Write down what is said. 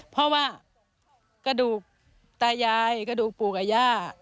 เพราะว่ากระดูกตายายกระดูกปู่กับย่า